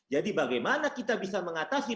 jadi bagaimana kita bisa mengatasi